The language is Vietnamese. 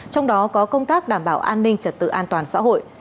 trong đó có công tác đảm bảo an ninh trật tự an toàn xã hội